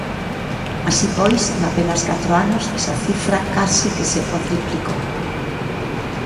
Así pois, en apenas catro anos esa cifra case que se cuadriplicou.